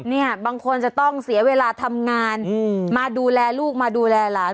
เนี่ยบางคนจะต้องเสียเวลาทำงานมาดูแลลูกมาดูแลหลาน